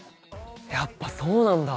やっぱそうなんだ。